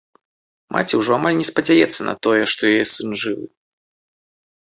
Маці ўжо амаль не спадзяецца на тое, што яе сын жывы.